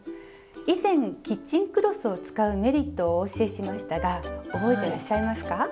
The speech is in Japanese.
以前キッチンクロスを使うメリットをお教えしましたが覚えてらっしゃいますか？